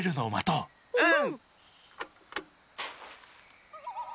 うん。